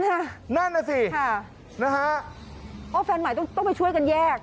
นั่นน่ะสิค่ะนะฮะโอ้แฟนใหม่ต้องต้องไปช่วยกันแยก